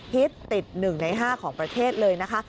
ฮิตติด๑ใน๕ของประเทศเลยนะคะ